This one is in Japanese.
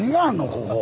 ここ。